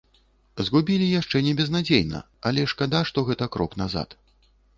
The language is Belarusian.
Згубілі яшчэ не безнадзейна, але шкада, што гэта крок назад.